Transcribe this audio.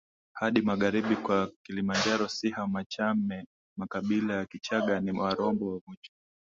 hadi magharibi kwa Kilimanjaro Siha MachameMakabila ya Kichagga ni WaRombo WaVunjo